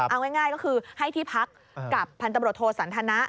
เอาง่ายก็คือให้ที่พักกับพันตำรวจโทสันทนะ